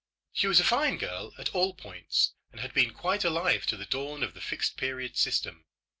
She was a fine girl at all points, and had been quite alive to the dawn of the Fixed Period system.